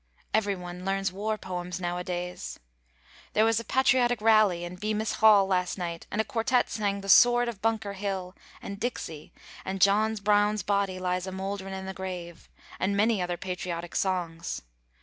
Every one learns war poems nowadays. There was a patriotic rally in Bemis Hall last night and a quartette sang, "The Sword of Bunker Hill" and "Dixie" and "John Brown's Body Lies a Mouldering in the Grave," and many other patriotic songs.